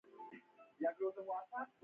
پښتو د یوه با عزته فرهنګ یوه برخه ده.